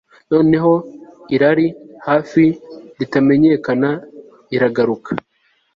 Noneho irari hafi ya ritamenyekana iragaruka